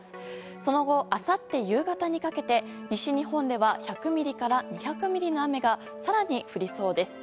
その後、あさって夕方にかけて西日本では１００ミリから２００ミリの雨が更に降りそうです。